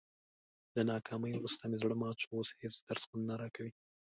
له ناکامۍ ورسته مې زړه مات شو، اوس هېڅ درس خوند نه راکوي.